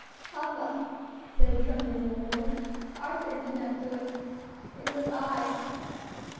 "Papa," said a trembling little voice, "Arthur did not do it; it was I."